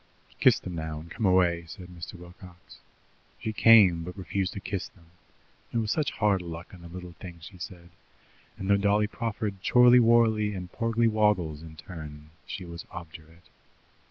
"Kiss them now, and come away," said Mr. Wilcox. She came, but refused to kiss them: it was such hard luck on the little things, she said, and though Dolly proffered Chorly worly and Porgly woggles in turn, she was obdurate.